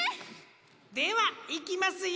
ではいきますよ！